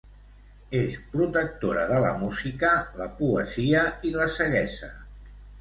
És protectora de la música, la poesia i la ceguesa.